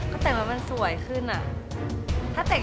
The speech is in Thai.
ก็แต่งแล้วมันสวยขึ้นอะ